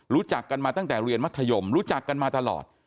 รู้จักกันมาตั้งแต่เรียนมัธยมรู้จักกันมาตลอด